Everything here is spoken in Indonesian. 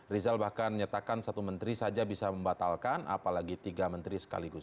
rizal bahkan menyatakan satu menteri saja bisa membatalkan apalagi tiga menteri sekaligus